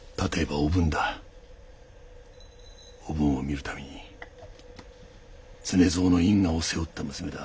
おぶんを見るたびに「常蔵の因果を背負った娘だ。